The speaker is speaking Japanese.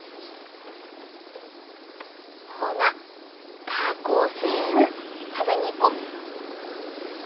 ほなたこせん食べに行こ。